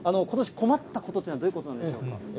ことし困ったことということはどういうなんでしょうか？